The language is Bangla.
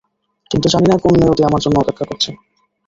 কিন্তু জানি না কোন নিয়তি আমার জন্য অপেক্ষা করছে।